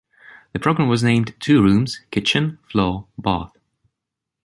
The program was named “”Two rooms, kitchen, floor, bath.